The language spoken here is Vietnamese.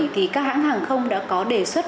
thì các hãng hàng không đã có đề xuất